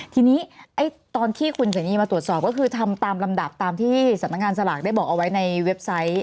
ทีนี้ตอนที่คุณเสนีมาตรวจสอบก็คือทำตามลำดับตามที่สำนักงานสลากได้บอกเอาไว้ในเว็บไซต์